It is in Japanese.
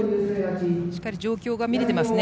しっかり状況が見れてますね。